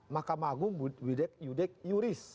mahkamah agung yudek yuris